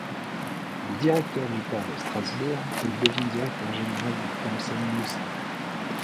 De directeur du port de Strasbourg, il devient directeur général de Thomson-Houston.